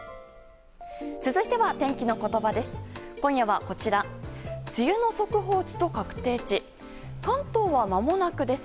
続いては天気のことばです。